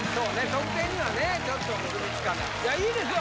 得点にはねちょっと結びつかないいやいいですよ